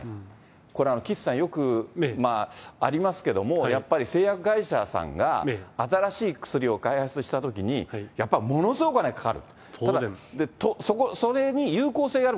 これ、岸さん、よくありますけれども、やっぱり製薬会社さんが新しい薬を開発したときに、やっぱものすごくお金かかる。